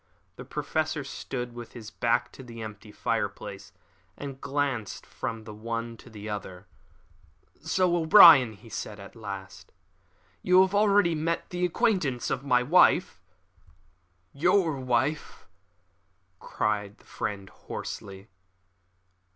The Professor stood with his back to the empty fireplace and glanced from the one to the other. "So, O'Brien," he said at last, "you have already made the acquaintance of my wife!" "Your wife," cried his friend hoarsely.